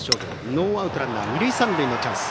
ノーアウトランナー、二塁三塁のチャンス。